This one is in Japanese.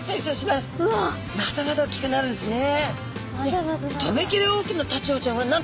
まだまだ大きくなるんですね。